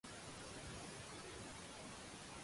一粒